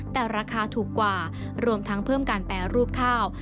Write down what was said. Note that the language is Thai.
แต่ราคาถูกกว่ารวมทั้งเพิ่มการแปรรูปข้าว